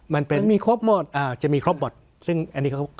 มันมีครบหมดอ่าจะมีครบหมดซึ่งอันนี้เขา